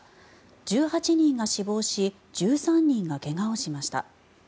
１８人が死亡し１３人が怪我をしました。